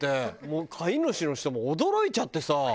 もう飼い主の人も驚いちゃってさ。